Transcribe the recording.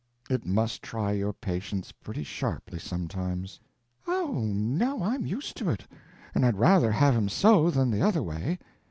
"It must try your patience pretty sharply sometimes." p038.jpg (36K) "Oh, no, I'm used to it; and I'd rather have him so than the other way.